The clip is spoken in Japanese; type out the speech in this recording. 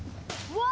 うわ！